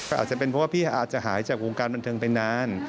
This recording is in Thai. ก็อาจจะเป็นเพราะว่าพี่อาจจะหายจากวงการบันเทิงไปนาน